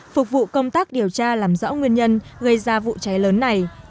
phục vụ công tác điều tra làm rõ nguyên nhân gây ra vụ cháy lớn này